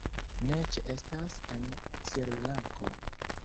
Ne ĉeestas en Srilanko.